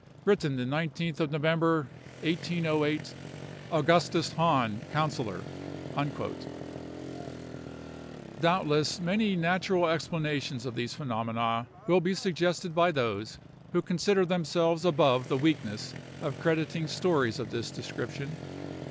Written the 19th of November, 1808. "'AUGUSTUS HAHN, Councillor.' "Doubtless many natural explanations of these phenomena will be suggested by those who consider themselves above the weakness of crediting stories of this description.